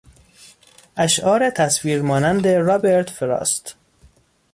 اشعار تصویر مانند رابرت فراست